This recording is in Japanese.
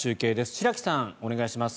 白木さんお願いします。